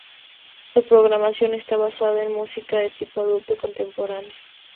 Su programación está basada en música, de tipo adulto contemporáneo.